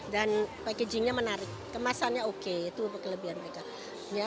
dan packagingnya menarik kemasannya oke itu kelebihan mereka